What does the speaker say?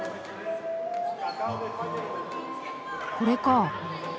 これか。